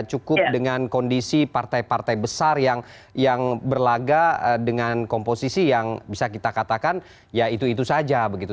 cukup dengan kondisi partai partai besar yang berlaga dengan komposisi yang bisa kita katakan ya itu itu saja begitu